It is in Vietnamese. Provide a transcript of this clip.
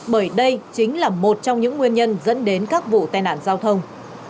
bởi đây chính là một trong những nguyên nhân dẫn đến các vụ tai nạn giao thông